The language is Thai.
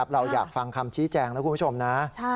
เราอยากฟังคำชี้แจงนะคุณผู้ชมนะ